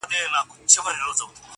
o او پای يې خلاص پاتې کيږي تل,